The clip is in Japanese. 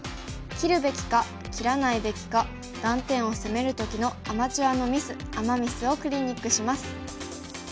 切るべきか切らないべきか断点を攻める時のアマチュアのミスアマ・ミスをクリニックします。